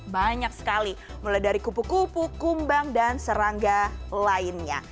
banyak sekali mulai dari kupu kupu kumbang dan serangga lainnya